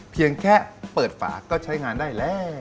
เพียงแค่เปิดฝาก็ใช้งานได้แล้ว